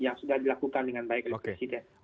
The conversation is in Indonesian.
yang sudah dilakukan dengan baik oleh presiden